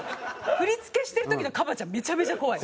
振り付けしてる時のＫＡＢＡ．ちゃんめちゃめちゃ怖い。